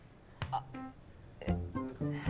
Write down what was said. あっえっ。